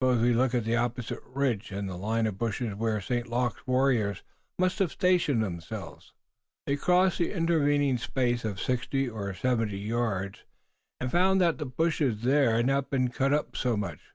"Suppose we look at the opposing ridge and line of bushes where St. Luc's warriors must have stationed themselves." They crossed the intervening space of sixty or seventy yards and found that the bushes there had not been cut up so much.